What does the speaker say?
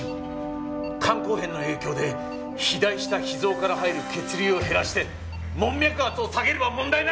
肝硬変の影響で肥大した脾臓から入る血流を減らして門脈圧を下げれば問題ない！